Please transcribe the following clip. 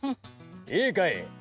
・いいかい！